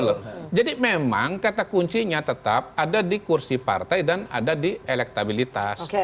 karena memang kata kuncinya tetap ada di kursi partai dan ada di elektabilitas